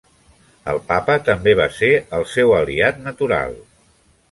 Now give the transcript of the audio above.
El Papa també va ser el seu aliat natural.